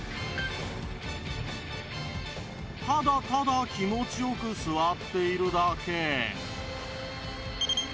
ただただ気持ちよく座っているだけ